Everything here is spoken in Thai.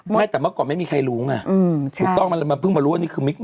ไม่แต่เมื่อก่อนไม่มีใครรู้ไงถูกต้องมันเพิ่งมารู้ว่านี่คือมิก